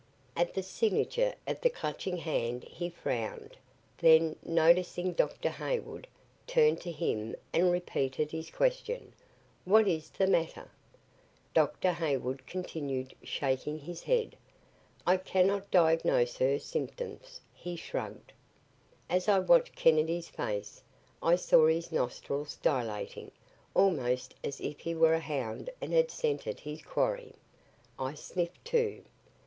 At the signature of the Clutching Hand he frowned, then, noticing Dr. Hayward, turned to him and repeated his question, "What is the matter?" Dr. Hayward continued shaking his head. "I cannot diagnose her symptoms," he shrugged. As I watched Kennedy's face, I saw his nostrils dilating, almost as if he were a hound and had scented his quarry. I sniffed, too.